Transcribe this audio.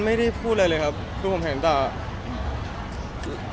ไม่ได้พูดอะไรเลยครับคือผมเห็นแต่